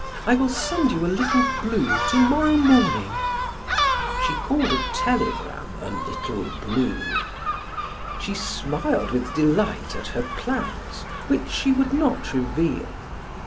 I will send you a 'little blue' to morrow morning." She called a telegram a "little blue." She smiled with delight at her plans, which she would not reveal.